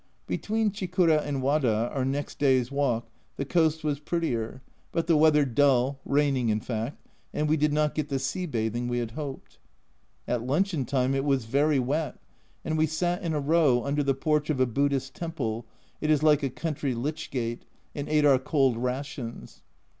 Between Chikura and Wada, our next day's walk, the coast was prettier, but the weather dull, raining, in fact, and we did not get the sea bathing we had hoped. At luncheon time it was very wet, and we sat in a row under the porch of a Buddhist temple (it is like a country lich gate) and ate our cold rations.